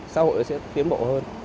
xã hội sẽ tiến bộ hơn